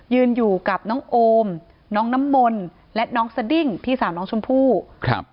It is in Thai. ยืนอยู่กับน้องโอมน้องน้ำมนต์และน้องสดิ้งพี่สาวน้องชมพู่ครับ